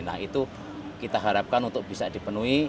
nah itu kita harapkan untuk bisa dipenuhi